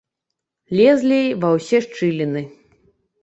Лезлі ва ўсе шчыліны.